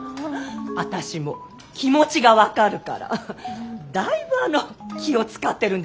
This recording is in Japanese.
私も気持ちが分かるからだいぶあの気を遣ってるんですけどね。